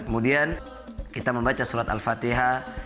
kemudian kita membaca surat al fatihah